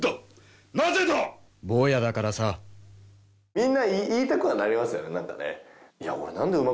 みんな言いたくはなりますよねなんかね。